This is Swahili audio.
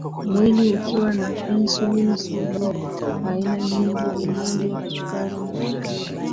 mwili ukiwa na insulini sugu aina nyingine ya ugonjwa wa kisukari inatokea